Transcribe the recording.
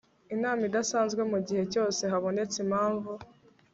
inama idasanzwe mu gihe cyose habonetse impamvu